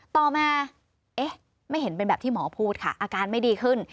ต่อมาเอ๊ะไม่เห็นเป็นแบบที่หมอพูดค่ะอาการไม่ดีขึ้น